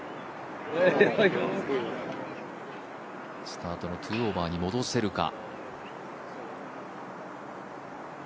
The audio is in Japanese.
スタートの２オーバーに戻せるか。